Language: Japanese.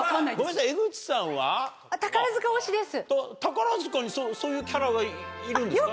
宝塚にそういうキャラがいるんですか？